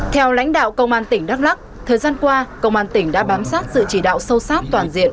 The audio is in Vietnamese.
theo lãnh đạo công an tỉnh đắk lắc thời gian qua công an tỉnh đã bám sát sự chỉ đạo sâu sát toàn diện